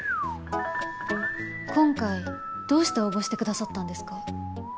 今回どうして応募してくださったんですか？